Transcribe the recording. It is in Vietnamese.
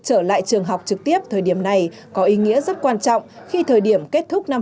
trở lại trường học trực tiếp thời điểm này có ý nghĩa rất quan trọng khi thời điểm kết thúc năm